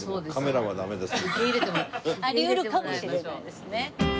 あり得るかもしれないですね。